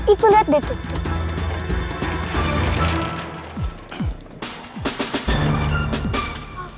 itu liat deh tutup